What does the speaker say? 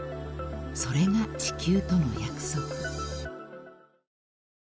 ［それが地球との約束］